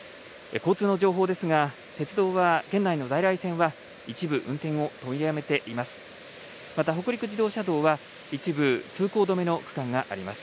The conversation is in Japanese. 交通の情報ですが鉄道は県内の在来線は一部、運転を取りやめています。